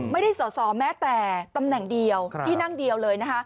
ไม่ได้สอสอแม้แต่ตำแหน่งเดียวที่นั่งเดียวเลยนะคะ